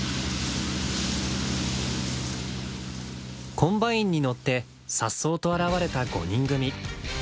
コンバインに乗ってさっそうと現れた５人組。